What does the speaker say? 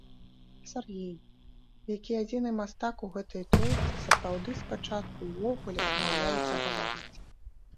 Сяргей, які адзіны мастак у гэтай тройцы, сапраўды спачатку ўвогуле адмаўляецца гаварыць.